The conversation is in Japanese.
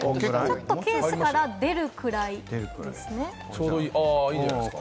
ちょっとケースから出るくらいですね。